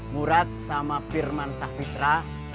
murad sama firman sakhvitra